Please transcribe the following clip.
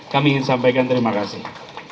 kami ingin sampaikan terima kasih